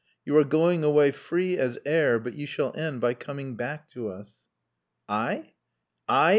You are going away free as air, but you shall end by coming back to us." "I! I!"